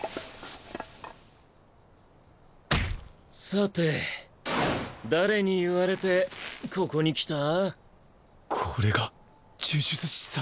さて誰に言われてここに来た？